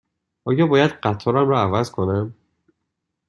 آیا باید قطارم را عوض کنم؟